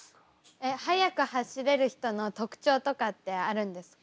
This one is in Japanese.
えっ速く走れる人の特徴とかってあるんですか？